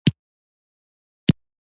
د کمپیوټر جوړونکی په کوچ پروت و